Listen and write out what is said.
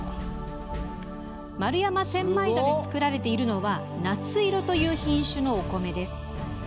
丸山千枚田で作られているのはなついろという品種のお米。